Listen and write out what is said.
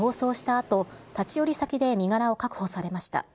あと立ち寄り先で身柄を確保されました。